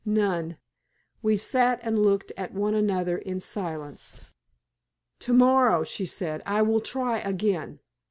"None." We sat and looked at one another in silence. "To morrow," she said, "I will try again."